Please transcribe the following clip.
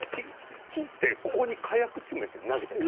切ってここに火薬詰めて投げたり。